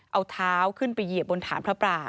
เอาเท้าขึ้นไปเหยียบบนฐานพระปราบ